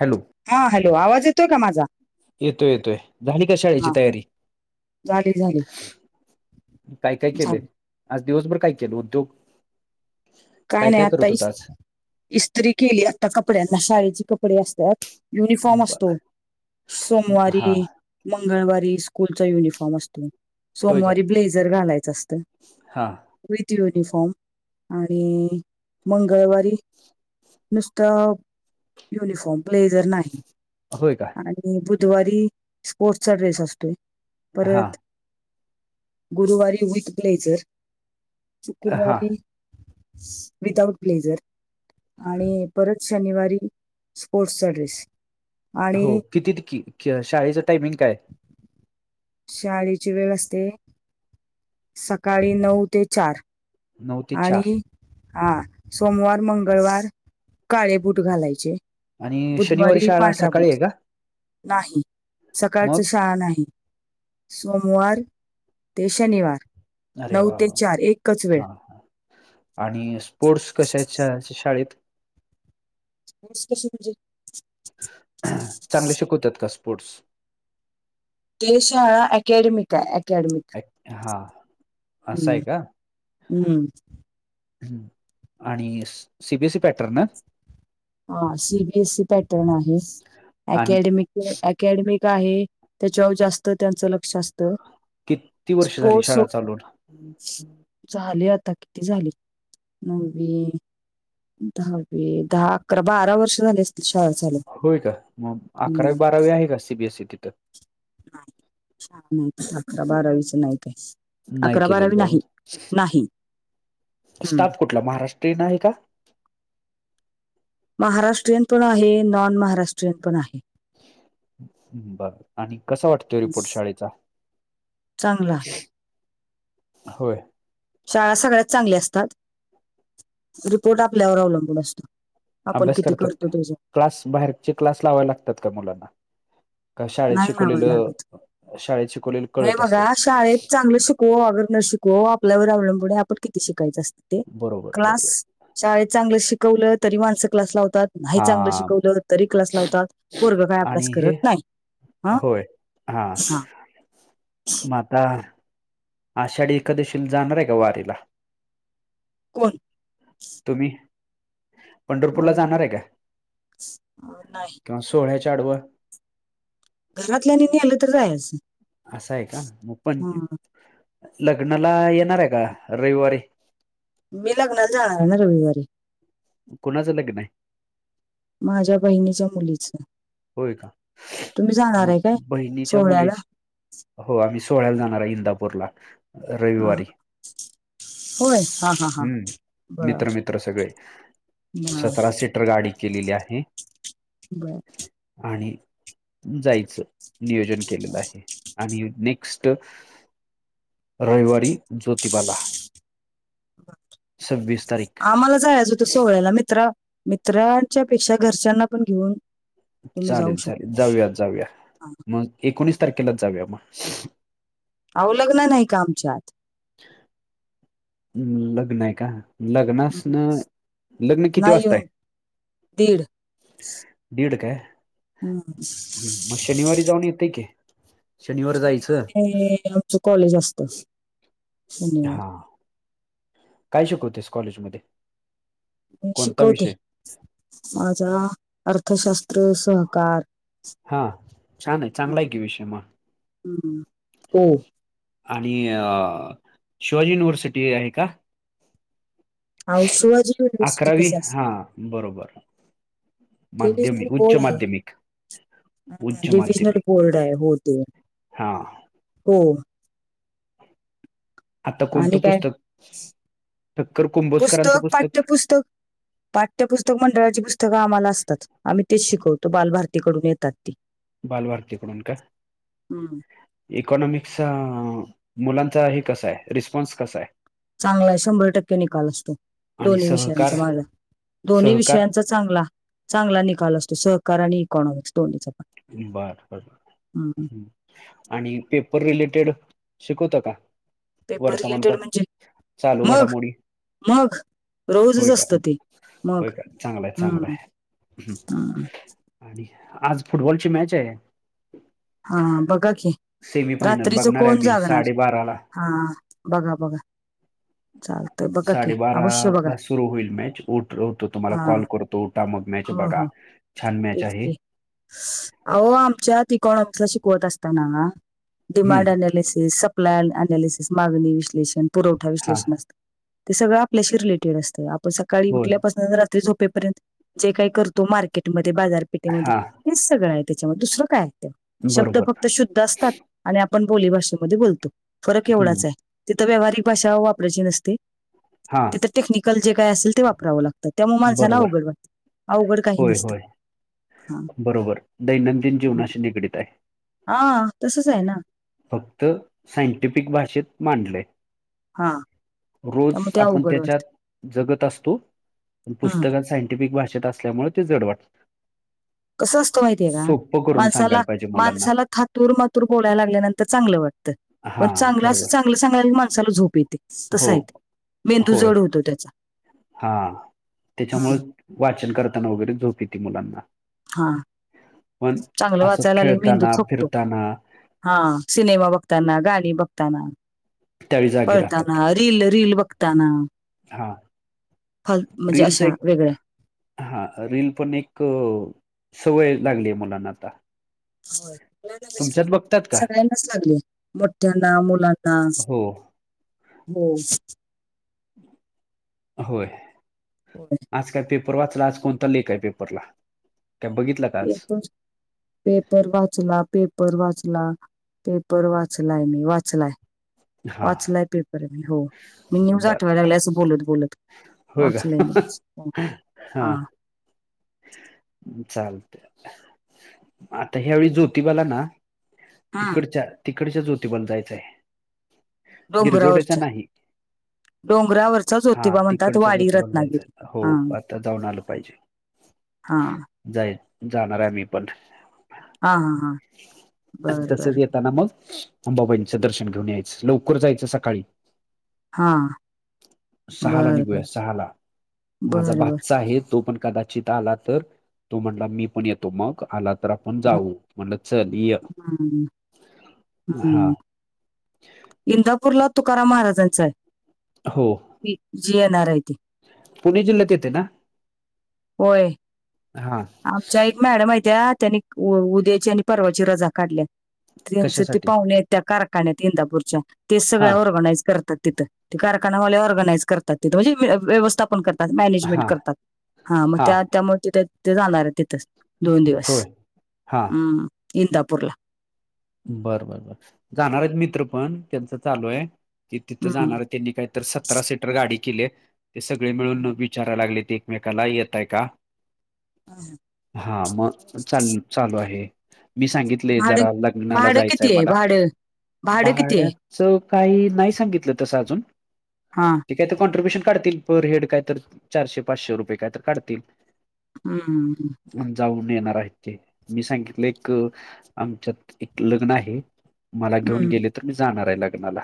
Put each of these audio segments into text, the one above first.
Hello. हा hello. आवाज येतोय का माझा? येतोय येतोय. झाली का शाळेची हा तयारी? झाली झाली. काय काय केलं? झाली आज दिवसभर काय केलं? उद्योग. काय नाई, आता करत होता इस आज इस्त्री केली आता कपड्यांना शाळेचे कपडे असत्यात. युनिफॉर्म ब- असतो, हा सोमवारी मंगळवारी स्कूलचा युनिफॉर्म असतो. होय का सोमवारी ब्लेजर घालायचं असतं हा विथ युनिफॉर्म. नी मंगळवारी नुसतं युनिफॉर्म ब्लेजर नाही. होय काय? आणि बुधवारी स्पोर्टचा ड्रेस असतोय, हा परत गुरुवारी विथ ब्लेजर हा शुक्रवारी विदाउट ब्लेजर आणि परत शनिवारी स्पोर्टसचा ड्रेस. हो. आणि कितीत की क्य शाळेचं टायमिंग काय? शाळेची वेळ असते, सकाळी नऊ ते चार. नऊ ते चार आणि हा सोमवार, मंगळवार काळे बूट घालायचे. आणि शनिवारी बुधवारी शाळा पांढरा सकाळी बूट, आहे का नाही सकाळच मग शाळा नाही. सोमवार ते शनिवार अरे नऊ वा ते वा वा चार एकच वेळ. हा आणि स्पोर्ट्स कशेत शाळेचं शाळेत? [unintelligible] म्हणजे चांगले शिकवतात का स्पोर्ट्स?. देशा अकाॅडमित अकाॅडमि. [unintelligible] हा असंय का? हम्म. आणि C B S E pattern? हा C B S E pattern आहेस, आणि ॲकॅडमी टू ॲकॅ अकॅडमि एक आहे. त्याच्यावर जास्त त्यांचं लक्ष असतं. किती वर्ष झाली स्पोर्टस शाळा [unintelligible] चालून झाली आता किती झाली? नवी. दहावी दहा, अकरा, बारा वर्ष झाले असतील शाळा चालू - - होय का. मग अकरावी, बारावी आहे का? सीबीएसई तिथं. [unintelligible] अकरा, बारावीच नाही काईच. नाही अकरा, केलेली बारावी का अजून नाही. नाही. हम्म. कुठलं महाराष्ट्रीयन आहे का? महाराष्ट्रीयन पण आहे. नॉन महाराष्ट्रीयन पण आहे. बर. आणि कसं वाटत? तो रिपोर्ट शाळेचा. चांगला आहे. [unintelligible] होय. शाळा सगळ्याच चांगल्या असतात. रिपोर्ट आपल्यावर अवलंबून असतो. आपण अभ्यास किती करतात करतो काय? त्याच्या क्लास बाहेरचे क्लास लावाय लागतात का मुलाला. का शाळेत नाही लावायला शिकवलेलं. लागत शाळेत शिकवलेलं कळत असल. शिको अगर न शिको आपल्यावर अवलंबून हाय आपण किती शिकायचं असतं ते. बरोबर क्लास बरोबर शाळेत चांगलं शिकवलं तरी माणसं क्लास लावतात. नाही चांगलं हा शिकवलं तरी क्लास लावतात. पोरगं काय अभ्यास आणि हे करत नाही. हा होय हां. हा मग आता आषाढी एकादशीला जाणार आहे का वारीला? कोण? तुम्ही. पंढरपूरला आमी जाणार आहे [unintelligible] नाही. अं सोहळ्याच्या आडव? घरातल्यानी नेलं तर जायाच. असं आहे का. मग पण त्या लग्नाला येणार आहे का? रविवारी. मी लग्नाला जाणार ना रविवारी. कुणाचं लग्न आहे? माझ्या बहिणीच्या मुलीचं. होय का? [unintelligible] तुम्ही जाणार म आहे काय बहिणीच्या सोहळ्याला मुलीच हो आम्ही सोहळ्याला जाणार हाय इंदापूरला हा हा रविवारी. होय हा हा हा हूं. बर मित्र मित्र सगळे. बर सतरा शे टर गाडी केलेली आहे. बरं. [unintelligible] आणि जायचं नियोजन केलेलं आहे. आणि नेक्स्ट रविवारी ज्योतिबाला. सव्वीस तारीख आमाला जायाच होत सो पैला मित्र मित्रांच्या पेक्षा घरच्यांना पण घेऊन तुम्ही जाऊ चालेल चालेल, शकता जाऊया जाऊया, हा. मग एकोणीस तारखेला जाऊया मग. आवो लग्न नाही का आमच्यात. अ लग्न हेका? हम्म. लग्नासन, लग्न किती नाही वासता येऊन हाय? दीड. दीड काय हम्म. मग शनिवारी जाऊन येतंय की शनिवार जायचं आमच कॉलेज असत हा काय शिकवतेस कॉलेज म मी शिकवते माझा अर्थशास्त्र सहकार हा. छानए चांगला हाय कि विषय मग. हम्म. हो आणि अ शिवाजी युनिव्हर्सिटी आहे का? आवो शिवाजी युनिवर्ससिटी कशी असेल? हां, बरोबर. टिविजन माध्यमिक उच्च कोड आहे. माध्यमिक, उच्च डिव्हजनल माध्यमिक. कोल्ड आहे हो ते हां, हो. आता आणि कोणतं काय पुस्तक ठक्कर कुंभोजकरांचं पुस्तक पाठ्यपुस्तक मंडळाची पुस्तकं आम्हाला असतात. आम्ही तेच शिकवतो बालभारतीकडून येतात ती. बालभारतीकडून का? हम्म. इकॉनॉमिक्सचा मुलांचा हे कसा आहे रिस्पॉन्स कसा आहे? चांगला शंभर टक्के निकाल असतो आणि दोन्ही विषयांचा सहकार मार्ग दोन्ही सहकार? विषयांचा चांगला, चांगला निकाल असतो सहकार आणि इकॉनॉमिक्स दोन्हीचा. पण बर हम्म. बर आणि पेपर रिलेटेड शिकवत का? पेपर रिलेटेड वर्तमानपत्र, म्हणजे? चालू मग घडामोडी. मग रोजच होय का? असत ते होय मग का चांगला आहे चांगला हम्म. आहे हम्म. आणि आज फुटबॉलची मॅच आहे. हा बघा की सेमी फायनल रात्रीच बघणार आहे कोण मी जागणार. साडेबाराला हा बघा बघा. चालतं. साडेबारा ला सुरू होईल मॅच उठवतो तुम्हाला हा कॉल करतो उठा मग मॅच हो बघा. हो छान म्याच तेच आहे. की अहो आमच्यात इकॉनॉमिक्सल शिकवत असताना हम्म, डिमांड ॲनॅलिसिस प्लॅन अनाॅलिसिस, मागणी विश्लेषण, पुरवठा हा विश्लेषण असतो. ते सगळं आपल्याशी रिलेटेड असतं आपण सकाळी होय उठल्यापासून रात्री झोपेपर्यंत जे काय करतो मार्केटमध्ये बाजारपेठेमध्ये हा हेच सगळं आहे त्याच्यामध्ये दुसरं काय. ते शब्द बरोबर फक्त शुद्ध असतात आणि आपण बोलीभाषेमध्ये बोलतो फरक हम्म, एवढाच आहे. तिथं व्यावहारिक भाषा वापरायची नसते. हा तिथ टेक्निकल जे काय असेल ते वापरावं लागतं त्यामुळे माणसांना बरोबर अवघड वाटतं. अवघड काही होय नसतं. होय हा बरोबर दैनंदिन जीवनाशी निगडीत आहे. हा तसच आहे ना. फक्त सायंटिफिक भाषेत मांडलय. हा रोज त्यामुळे ते आपण अवघड त्याच्यात वाटतं जगत असतो हम्म पुस्तक िक भाषेत असल्यामुळे ते जड वाटत कसं असतो माहितीय का करून माणसाला सांगायला पाहिजे मुलांना माणसाला ातूर मातूर बोलायला लागल्यानंतर चांगलं वाटतं पण हा चांगलं चांग माणसाला झोप येते तस हो, येत मेंदू होय. जड होतो त्याचा हां. त्याच्यामुळे हम वाचन करताना वगैरे झोप य ती मुलांना हा पण चांगलं असंच वाचायला आले मेंदू खेळताना, थोकतो फिरताना हा सिनेमा बघताना गाणी बघताना त्यावेळी जागी पळताना, राहतात. रील रील बघताना हां, फल म्हणजे अशा वेगळ्या हा रील पण एक सवय लागली आहे मुलांना आता. होय. लहानांच कशाला, तुमच्यात बघतात का? सगळ्यांनाच लागले, मोठ्यांना, मुलांना, हो, हो. होय होय. आजकाय ते रवाच कोणता लेक आहे पेपरला बघित [inaudible] पेपर वाचला पेपर वाचला पेपर वाचलाय मी वाचलाय हां, वाचलाय पेपर मी हो मी न्यूज बरं. आठवायला लागल्या असं बोलत बोलत होय वाचलंय न्यूज हो. का हा चालतंय आता ह्यावेेळीस ज्योतिबाला ना हा तिकडच्या तिकडच्या ज्योतिबाला जायचंय गिरजोडचा डोंगरावरच्या नाही डोंगरावरचा हा ज्योतिबा म्हणतात तिकडच्या वाडी जोतीबाला पण रत्नागिरी जायचं हो हा आता जाऊन आलं पाहिजे हां जाय जाणार आहे मी पण हा हा हा बर तसच बर येतं ना मग अंबाबाईचं दर्शन घेऊन यायचं लवकर जायचं सकाळी हा सहाला बर निघूया बर सहाला माझा बर बर भाचा आहे तो पण कदाचित आला तर तो म्हटला मी पण येतो मग आला तर आपण हम्म, जाऊ म्हण चल य हा हम्म इंदापूरला तुकाराम महाराजांचा आहे हो ती जी येणार आहे ती पुणे जिल्ह्यात येतय ना होय हा आमच्या आई मॅडम आहे त्या त्यानी उद्याची आणि परवाची रजा काढल्या त्यांच ते कशासाठी पाहुणे आहेत त्या कारखान्यात इंदापूरच्या ते हा सगळ्या ऑर्गनाइज करतात तिथं ते कारखानावाले ऑर्गनाइज करतात तिथ म्हणजे व्य व्यवस्थापन करतात मॅनेजमेंट हा करतात हा मग त्या त्यामुळ तिथ ते जाणार आहेत तिथं दोन दिवस होय हा हम्म इंदापूरला बर बर बर जाणार आहेत मित्र पण त्यांच चालू आहे की तिथं हम्म जाणार आहेत त्यांनी काही तर सतरा सीटर गाडी केली आहे ते सगळे मिळून विचारयला लागलेती एकाला येताय का हा मग चाल चालू आहे मी सांगितलय भाडं जरा लग्नाला भाडं जायचंय किती आहे मला भाडं भाडं किती आहे भाड्याचं काही नाही सांगितलं तसं अजून हा ते काय तर कॉन्ट्ररीब्युशन काढतील पर हेड काय तर चारशे पाचशे रुपये काय तर काढतील हम्म जाऊन येणार आहेत की मी सांगितलय एक आमच्यात एक लग्न आहे मला घेऊन हम्म गेले तर मी जाणार आहे लग्नाला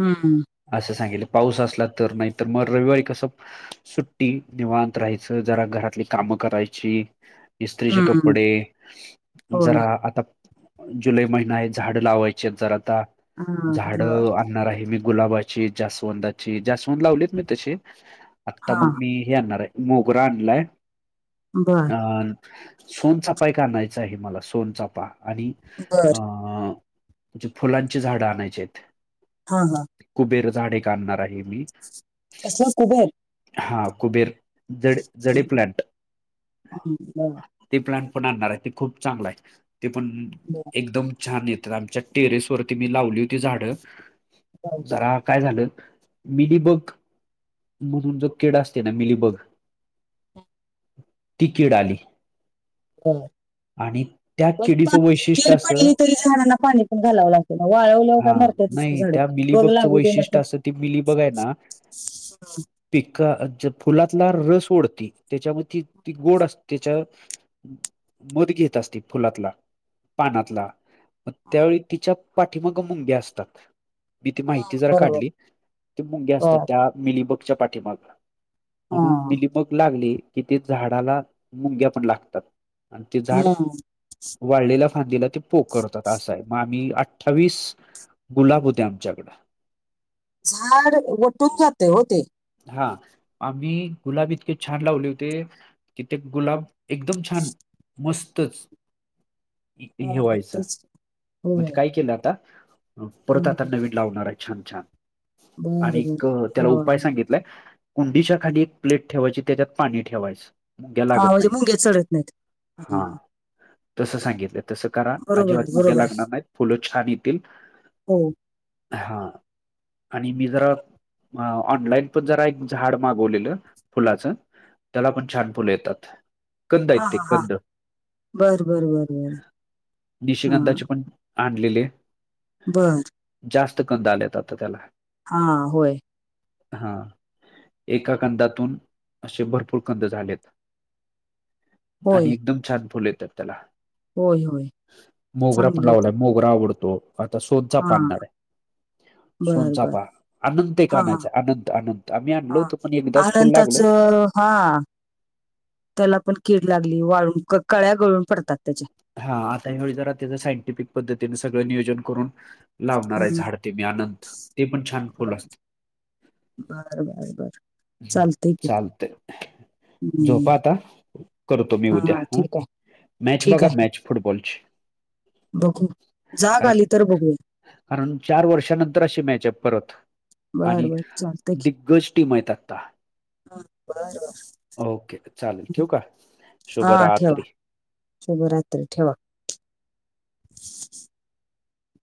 हम्म असं सांगितलं पाऊस असला तर नाही तर मग रविवारी कसं सुट्टी निवांत राहायचं जरा घरातली कामं करायची इस्त्रीचे हम्म कपडे मग होय जरा आता जुलै महिना आहे झाड लावायची आहेत जरा आता हा झाड बर अणणार आहे गुलाबाची, जास्वंदची जास्वंत लावलेत मी तशी आता हा मग मी हे आणणार आहे मोगरा आणलाय बर अ सोनचाफा एक आणायचं आहे मला सोनचाफा आणि अ बर म्हणजे फुलांची झाडं आणायचे आहेत हा हा कुबेर झाडे काढणार आहे मी कसलं कुबेर हा कुबेर ज हम्म, जडी प्लांट हम्म, बर ते प्लांट पण आणणार आहे ते खूप चांगला आहे ते पण ब एकदम छान येतात आमच्या टेरेस वरती मी लावली होती झाडं बर जरा काय झालं मिलीबग म्हणून जो केडा असते ना मिलीबग तिकीड आली बर आणि त्या पण पण किडीचं वैशिष्ट्य कीर असं पडली तरी घणांना पाणी पण घालावं लागत ना वाळवलं का हा मर नाही झाड त्या बघ मिलीबगचं लागू दे ना तर वैशिष्ट्य असं ती पिक फुलातला रस ओढती त्याच्यामध्ये ती गोड असते त्याच्या मध घेत असते फुलातला पानातला मग त्यावेळी तिच्या पाठीमागं मुंग्या असतात मी ती माहिती जरा बरोबर काढली ते मुंगे असतात बर. त्या मिलीबगच्या पाठीमाग म्हणून हा. मिलीमग लागले की ते झाडाला मुंग्या पण लागतात आणि ते झाड हम्म. वाढलेला फांदीला ते पो करतात असा आहे मग आम्ही अठ्ठावीस गुलाब होते्या आमच्याकडं झाड वटून जातं हो ते हा आम्ही गुलाब इतके छान लावले होते किथे गुलाब एकदम छान मस्तच हा, हेवा्हायच तेच की. मग होय ते काय केलं आता परतता हम्म. नवीड लावणार आहे छान छान बर आणि बर त्याला लावा उपाय लावा. सांगित कुंडीच्या खाणी एक प्लेट ठेवायची त्याच्यात पाणी ठेवायच घ्या हा लागत म्हणजे नाही मुंग्या चढत नाहीत हा तसं सांगितलं तसं करा बरोबर अजिबात आहे, मुग्या बरोबर ला आहे नाही फुलं छान येतील हो हा आणि मी जरा अ ऑनलाईन पण जरा एक झाड मागवलेलं फुलाचं त्याला पण छान फुलं येतात कंद हा आहेत ते हा हा कंद बर बर बर बर हा निशगंधाचे आणलेले बरं जास्त कंद आलेत आ त्याला हा होय हा एका कंदातून असे भरपूर कंद झालेत होय आणि एकदम छान फुल येतात त्याला होय होय सांग ण लावलाय मोगरा आवडतो आता हा सोनचाफा आनणारय बर बर सोनचापा आनंत हा हा कानायचा आनंत आनंत आम्ही हा आणलो तर पण एक दस फुल आनंदाच लागलं हा त्याला पण कीड लागली वाळून कळ्या गळून पडतात त्याच्या हा आता हवढळी जरा त्याचं सायंटिफिक पद्धतीने सगळं नियोजन करून लावणार आहे हम्म झाड ते मी आनंत ते पण छान फुल असत बर बर बर उहु चालतय की चालतय हम्म झोपा आता करतो मी उद्या हा, ठीक आहे मॅच ठीक बघा आहे मॅच फुटबॉलची बघू, जाग कारण आली तर बघू कारण चार वर्षानंतर अशी मॅच आय परत बर आणि बर चालतय की दिग्गज टीम आयत आत्ता [unintelligible] ओके चालेल ठठीक शुभ हा ठेवा रात्री शुभरात्री ठेवा